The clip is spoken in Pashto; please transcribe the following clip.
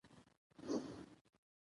پښتو ادبیات د ذهنونو روڼتیا تضمینوي.